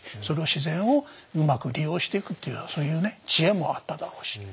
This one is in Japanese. その自然をうまく利用していくっていうそういうね知恵もあっただろうし